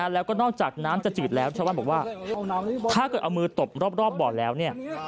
แล้วก็นอกจากน้ำจะจืดแล้วชาวบ้านบอกว่าถ้าเกิดเอามือตบรอบบ่อแล้วเนี่ย